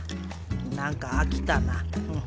何か飽きたなふん。